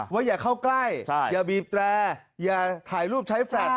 อย่าเข้าใกล้อย่าบีบแตรอย่าถ่ายรูปใช้แฟลต